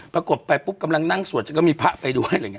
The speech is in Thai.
ปรากฏไปปุ๊บกำลังนั่งสวดจนก็มีพระไปด้วยอะไรอย่างนี้